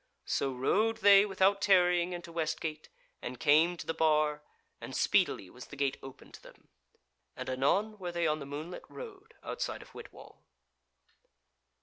So rode they without tarrying into Westgate and came to the Bar, and speedily was the gate opened to them; and anon were they on the moonlit road outside of Whitwall.